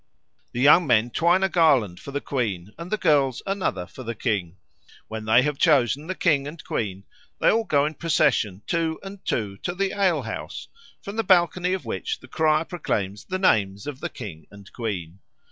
The young men twine a garland for the Queen, and the girls another for the King. When they have chosen the King and Queen they all go in procession two and two, to the ale house, from the balcony of which the crier proclaims the names of the King and Queen.